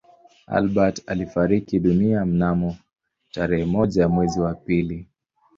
Albert alifariki dunia mnamo tarehe moja mwezi wa pili